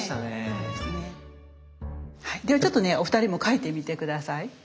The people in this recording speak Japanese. ではちょっとねお二人も描いてみて下さい。